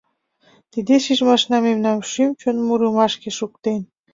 Тиде шижмашна мемнам шӱм-чон мурымашке шуктен.